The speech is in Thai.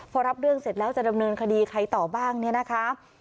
พอรับเรื่องเสร็จแล้วจะดำเนินคดีใครต่อบ้างเนี่ยนะคะ